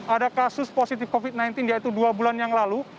ada kasus positif covid sembilan belas yaitu dua bulan yang lalu